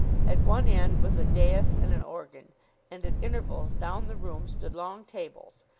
At one end was a dais and an organ, and at intervals down the room stood long tables.